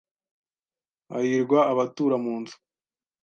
Hahirwa abatura mu nzu